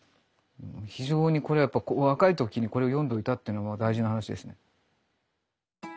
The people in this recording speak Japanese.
非常にこれやっぱ若い時にこれを読んどいたっていう大事な話ですね。